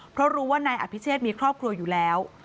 เพราะรู้ว่านายอภิเชษมีครอบครัวอยู่แล้ว